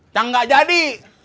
cak gak jadi